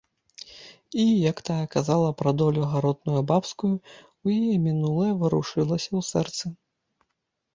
І, як тая казала пра долю гаротную бабскую, у яе мінулае варушылася ў сэрцы.